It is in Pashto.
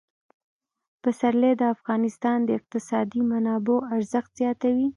پسرلی د افغانستان د اقتصادي منابعو ارزښت زیاتوي.